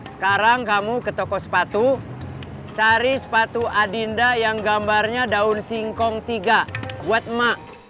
sekarang kamu ke toko sepatu cari sepatu adinda yang gambarnya daun singkong tiga buat emak